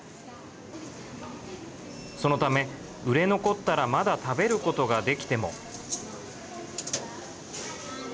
そのため売れ残ったらまだ食べることができても。